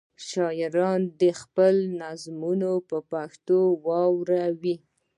شاعران دې خپلې نظمونه په پښتو واوروي.